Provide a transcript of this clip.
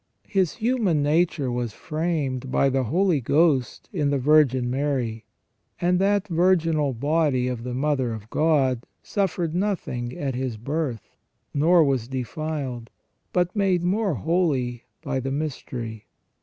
His human nature was framed by the Holy Ghost in the Virgin Mary, and that virginal body of the Mother of God suffered nothing at His birth, nor was defiled, but made more holy by the mystery.